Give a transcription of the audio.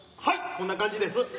はいこんな感じです。